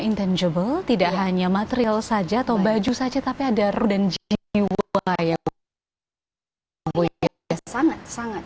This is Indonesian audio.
intangible tidak hanya material saja atau baju saja tapi ada ru dan jiwa yang sangat sangat